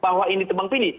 bahwa ini tebang pilih